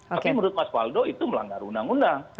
tapi menurut mas waldo itu melanggar undang undang